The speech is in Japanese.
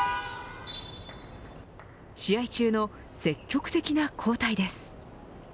試合中の積極的な交代です。